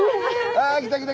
あ来た来た。